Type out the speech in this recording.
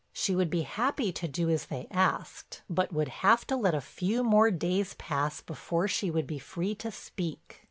She would be happy to do as they asked, but would have to let a few more days pass before she would be free to speak.